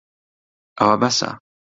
ئەوە بەسە.